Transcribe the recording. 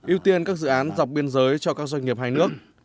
ưu tiên các dự án dọc biên giới cho các doanh nghiệp hai nước